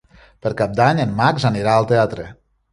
Per Cap d'Any en Max anirà al teatre.